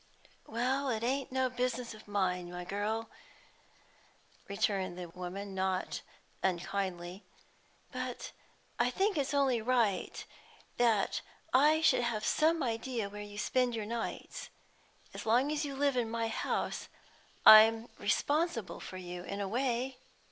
"Well, it ain't no business of mine, my girl," returned the woman, not unkindly, "but I think it's only right I should have some idea where you spend your nights. As long as you live in my house, I'm responsible for you, in a way."